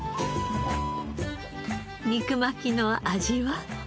肉巻きの味は？